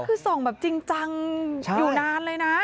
แล้วคือส่องจริงจังอยู่นานเลยนะ